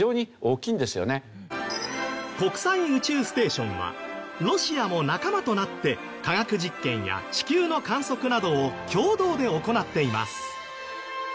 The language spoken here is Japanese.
国際宇宙ステーションはロシアも仲間となって科学実験や地球の観測などを共同で行っています。